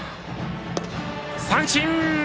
三振！